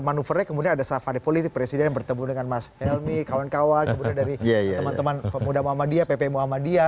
manuvernya kemudian ada safari politik presiden yang bertemu dengan mas elmi kawan kawan kemudian dari teman teman pemuda muhammadiyah pp muhammadiyah